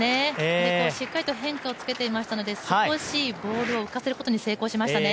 しっかりと変化をつけていましたので少しボールを浮かせることに成功しましたね。